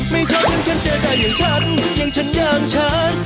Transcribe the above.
ไม่ชอบอย่างฉันเจอได้อย่างฉันอย่างฉันอย่างฉัน